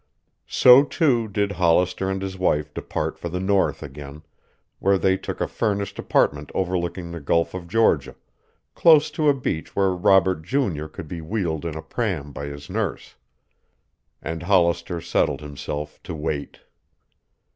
So too did Hollister and his wife depart for the North again, where they took a furnished apartment overlooking the Gulf of Georgia, close to a beach where Robert junior could be wheeled in a pram by his nurse. And Hollister settled himself to wait.